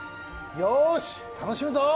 よーし、楽しむぞ！